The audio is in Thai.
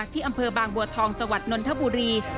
ที่อำเภอบางบัวทองจนธบุรี